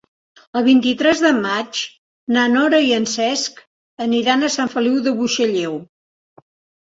El vint-i-tres de maig na Nora i en Cesc aniran a Sant Feliu de Buixalleu.